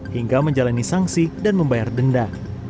hingga menjalani sanksi dan membayar denda